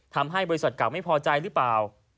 ทำให้บริษัทเก่าไม่พอใจหรือเปล่า